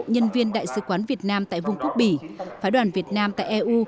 nhân viên đại sứ quán việt nam tại vùng quốc bỉ phái đoàn việt nam tại eu